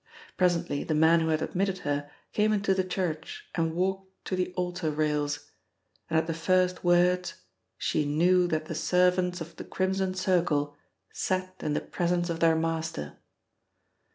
Presently the man who had admitted her came into the church and walked to the altar rails, and at the first words she knew that the servants of the Crimson Circle sat in the presence of their master.